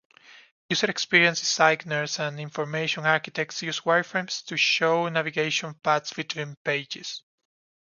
User experience designers and information architects use wireframes to show navigation paths between pages.